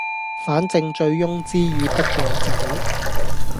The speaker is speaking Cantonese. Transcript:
反正醉翁之意不在酒